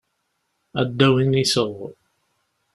Ad d-awin iseɣ.